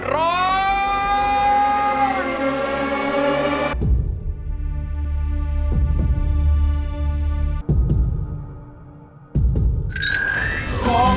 ร้อน